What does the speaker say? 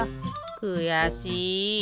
くやしい。